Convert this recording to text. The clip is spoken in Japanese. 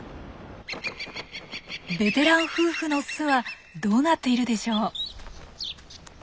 ベテラン夫婦の巣はどうなっているでしょう。